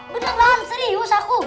bener banget serius aku